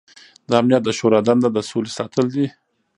د امنیت د شورا دنده د سولې ساتل دي.